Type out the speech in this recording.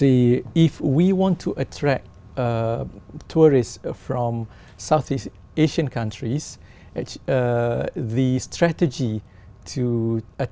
nếu chúng ta muốn thu hút những người văn hóa văn hóa từ các quốc gia việt nam